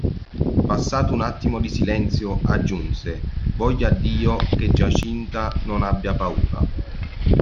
Passato un attimo di silenzio, aggiunse: "Voglia Dio che Giacinta non abbia paura.".